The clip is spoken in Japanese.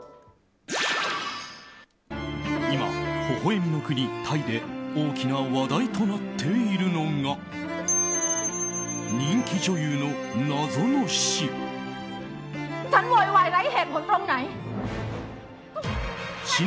今、ほほ笑みの国タイで大きな話題となっているのが人気女優の謎の死。